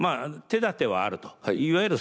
手だてはあると。